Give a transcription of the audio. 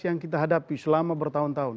yang kita hadapi selama bertahun tahun